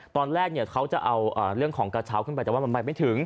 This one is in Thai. ตอนแรกเขาจะเอาเรื่องของกระเช้าขึ้นไปแต่ว่ามันไปไม่ถึง